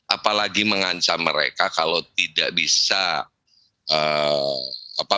apalagi mengancam mereka kalau tidak bisa